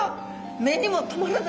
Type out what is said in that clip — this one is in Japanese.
目にも留まらぬ。